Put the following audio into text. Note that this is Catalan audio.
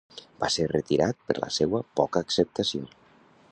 Va ser retirat per la seua poca acceptació.